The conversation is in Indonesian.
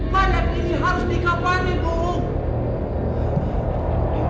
mayat ini harus dikapalin